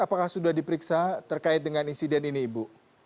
apakah sudah diperiksa terkait dengan insiden ini ibu